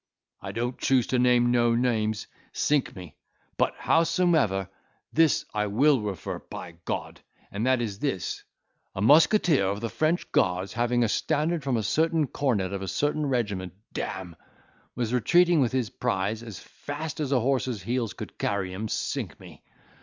I don't choose to name no names, sink me! but, howsomever, this I will refer, by G—d! and that is this—a musketeer of the French guards, having a standard from a certain cornet of a certain regiment, d—e! was retreating with his prize as fast as his horse's heels could carry him, sink me!